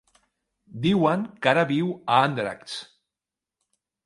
Diuen que ara viu a Andratx.